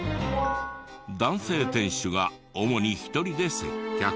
男性店主が主に一人で接客。